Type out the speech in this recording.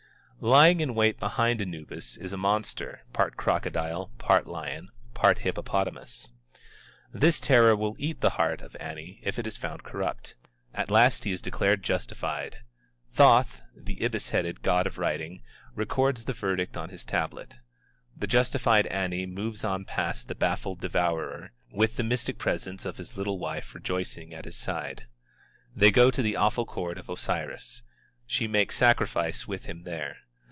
Lying in wait behind Anubis is a monster, part crocodile, part lion, part hippopotamus. This terror will eat the heart of Ani if it is found corrupt. At last he is declared justified. Thoth, the ibis headed God of Writing, records the verdict on his tablet. The justified Ani moves on past the baffled devourer, with the mystic presence of his little wife rejoicing at his side. They go to the awful court of Osiris. She makes sacrifice with him there.